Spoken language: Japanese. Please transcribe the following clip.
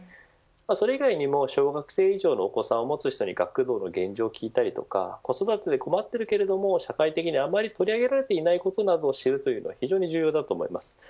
それ以外にも小学生以上のお子さんを持つ人に学童の現状を聞いたりとか子育てで困ってるけれども社会的にあまり取り上げられていないことを聞くのは非常に重要だと思います。